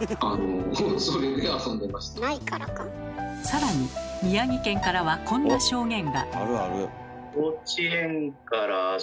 さらに宮城県からはこんな証言が。